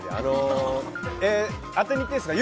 当てにいっていいですか？